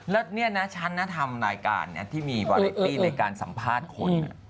และเนี่ยนะชั้นนาธรรมรายการที่มีวาเลตตี้ในการสัมภาษณ์คน